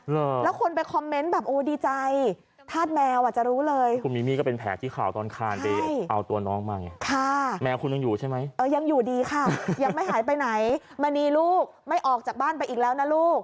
แล้วคนไปคอมเมนต์แบบโหดีใจธาตุแมวอาจจะรู้เลย